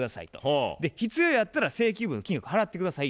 で「必要やったら請求分金額払って下さい」